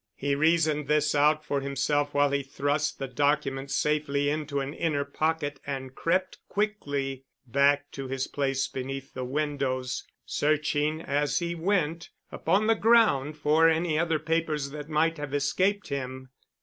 He reasoned this out for himself while he thrust the documents safely into an inner pocket and crept quickly back to his place beneath the windows, searching as he went upon the ground for any other papers that might have escaped him.